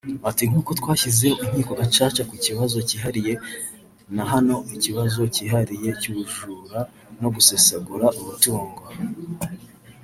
Ati “Nk’uko twashyizeho Inkiko Gacaca ku kibazo cyihariye na hano ikibazo cyihariye cy’ubujura no gusesagura umutungo